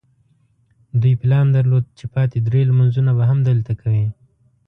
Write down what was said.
دوی پلان درلود چې پاتې درې لمونځونه به هم دلته کوي.